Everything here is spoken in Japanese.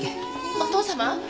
お義父様！